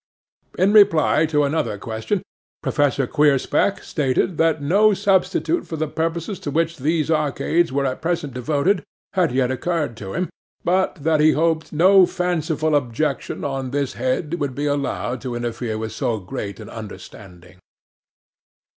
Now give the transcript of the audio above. In reply to another question, Professor Queerspeck stated that no substitute for the purposes to which these arcades were at present devoted had yet occurred to him, but that he hoped no fanciful objection on this head would be allowed to interfere with so great an undertaking.